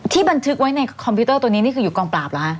บันทึกไว้ในคอมพิวเตอร์ตัวนี้นี่คืออยู่กองปราบเหรอคะ